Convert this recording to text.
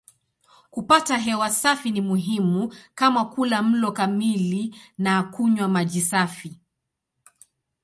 Kupata hewa safi ni muhimu kama kula mlo kamili na kunywa maji safi.